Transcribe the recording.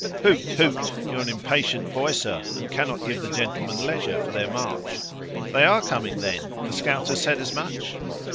"Hoot! hoot! you're an impatient boy, sir, and cannot give the gentlemen leisure for their march!" "They are coming, then? The scout has said as much?"